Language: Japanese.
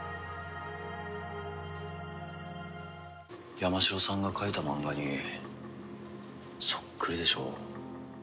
山城さんが描いた漫画にそっくりでしょ。